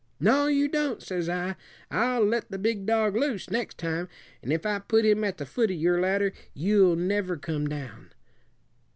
'No, you don't,' says I; 'I'll let the big dog loose next time, and if I put him at the foot of your ladder you'll never come down.'